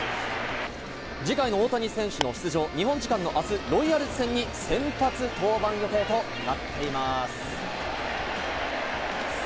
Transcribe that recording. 次回の大谷選手の出場、日本時間の明日、ロイヤルズ戦に先発登板予定となっています。